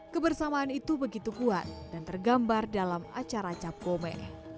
kebersamaan itu begitu kuat dan tergambar dalam acara cap gome